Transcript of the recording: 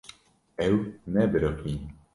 Ew nebiriqîn.